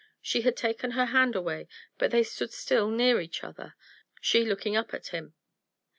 She had taken her hand away, but they stood still near each other, she looking up at him.